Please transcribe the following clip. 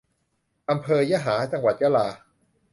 อำเภอยะหา จังหวัดยะลา